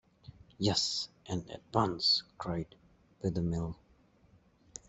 "Yes, and at once," cried Wethermill.